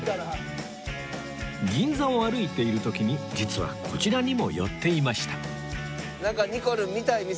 銀座を歩いている時に実はこちらにも寄っていました